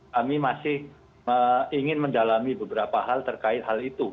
kami masih ingin mendalami beberapa hal terkait hal itu